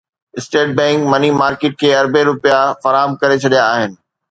state bank money market کي اربين رپيا فراهم ڪري ڇڏيا آهن